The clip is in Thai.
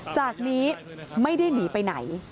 จากนี้ไม่ได้หนีไปไหน